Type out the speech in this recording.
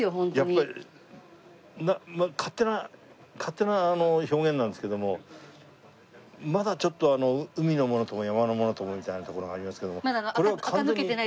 やっぱり勝手な勝手な表現なんですけどもまだちょっと海のものとも山のものともみたいなところがありますけどもこれは。